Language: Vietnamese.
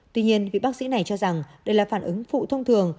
tuy nhiên vị bác sĩ này cho rằng đây là phản ứng phụ thông thường